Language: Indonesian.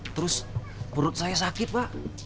terus perut saya sakit pak